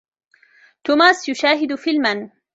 توماس يشاهد فيلماً.